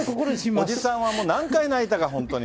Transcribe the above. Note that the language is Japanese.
おじさんはもう何回泣いたか、本当に。